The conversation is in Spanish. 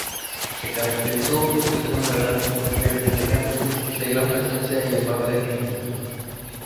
Se caracterizó por ser una mujer elegante, de gran presencia y amable actitud.